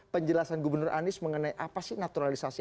penjelasan gubernur anies mengenai apa sih naturalisasi